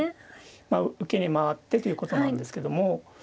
まあ受けに回ってということなんですけども。